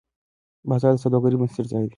بازار د سوداګرۍ بنسټیز ځای دی.